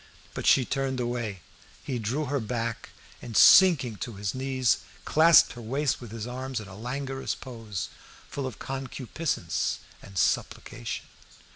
But she turned away; he drew her back, and, sinking on his knees, clasped her waist with his arms in a languorous pose, full of concupiscence and supplication.